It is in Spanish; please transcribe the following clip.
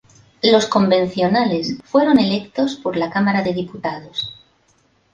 Los convencionales fueron electos por la Cámara de Diputados.